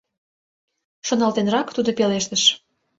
— шоналтенрак тудо пелештыш.